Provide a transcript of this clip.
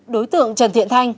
đối tượng trần thiện thanh